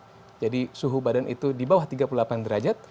jadi kemudian di atas suhu badan itu di bawah tiga puluh delapan derajat